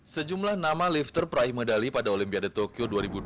sejumlah nama lifter peraih medali pada olimpiade tokyo dua ribu dua puluh